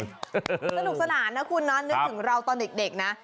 สนุกสนานนะคุณนะนึกถึงเราตอนเด็กนะ